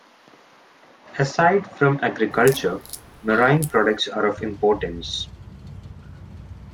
Aside from agriculture, marine products are of importance.